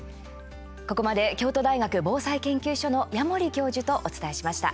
ここまで京都大学防災研究所の矢守教授とお伝えしました。